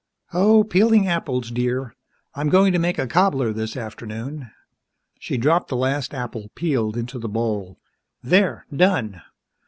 "Oh, peeling apples, dear. I'm going to make a cobbler this afternoon." She dropped the last apple, peeled, into the bowl. "There, done.